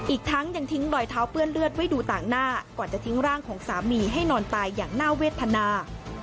อีกทั้งยังทิ้งรอยเท้าเปื้อนเลือดไว้ดูต่างหน้าก่อนจะทิ้งร่างของสามีให้นอนตายอย่างน่าเวทนา